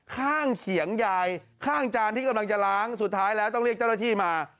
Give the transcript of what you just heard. เขียงยายข้างจานที่กำลังจะล้างสุดท้ายแล้วต้องเรียกเจ้าหน้าที่มา